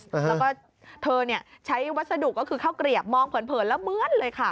แล้วก็เธอใช้วัสดุก็คือข้าวเกลียบมองเผินแล้วเหมือนเลยค่ะ